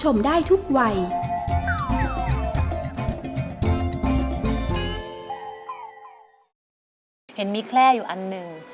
เห็นมีแคล่อยู่อันหนึ่ง